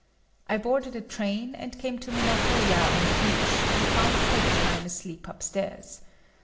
I boarded a train and came to Minato ya on the beach and found Porcupine asleep upstairs.